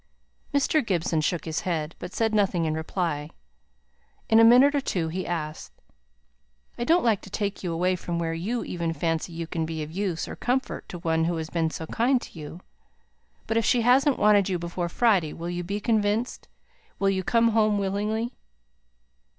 Mr. Gibson shook his head, but said nothing in reply. In a minute or two he asked, "I don't like to take you away while you even fancy you can be of use or comfort to one who has been so kind to you; but, if she hasn't wanted you before Friday, will you be convinced, will you come home willingly?"